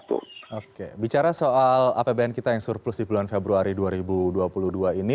oke bicara soal apbn kita yang surplus di bulan februari dua ribu dua puluh dua ini